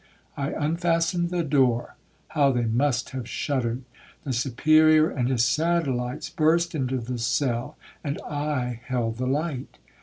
I unfastened the door,—how they must have shuddered! The Superior and his satellites burst into the cell, and I held the light.